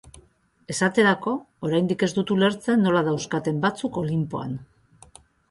Esaterako, oraindik ez dut ulertzen nola dauzkaten batzuk Olinpoan.